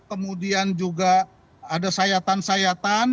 kemudian juga ada sayatan sayatan